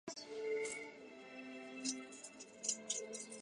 整修期间恕不开放参观